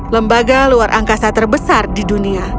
lembaga luar angkasa terbesar di dunia